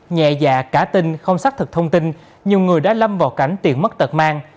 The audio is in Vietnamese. nhẹ dạ cả tin không xác thực thông tin nhiều người đã lâm vào cảnh tiền mất tật mang